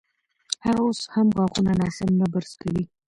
هغه اوس هم غاښونه ناسم نه برس کوي.